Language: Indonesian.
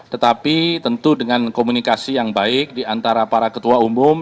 tetapi tentu dengan komunikasi yang baik diantara para ketua umum